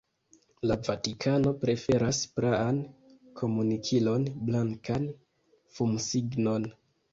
La Vatikano preferas praan komunikilon: blankan fumsignon.